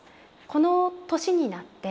「この年になって」